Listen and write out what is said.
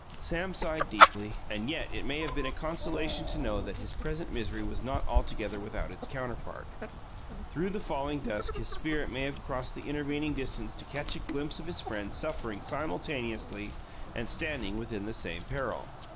Sam sighed deeply, and yet it may have been a consolation to know that his present misery was not altogether without its counterpart. Through the falling dusk his spirit may have crossed the intervening distance to catch a glimpse of his friend suffering simultaneously and standing within the same peril.